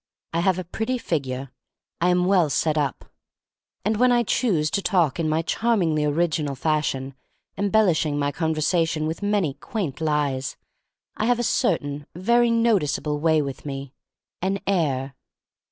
I have a pretty figure. I am well set up. And when I choose to talk in my charmingly original fashion, embellish ing my conversation with many quaint lies, I have a certain very noticeable way with me, an "air."